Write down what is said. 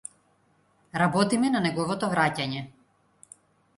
Работиме на неговото враќање.